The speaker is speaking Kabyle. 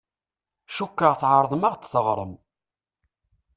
Cukkeɣ tɛerḍem ad ɣ-d-teɣṛem.